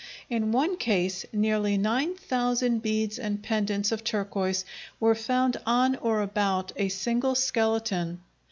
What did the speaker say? In one case nearly nine thousand beads and pendants of turquoise were found on or about a single skeleton.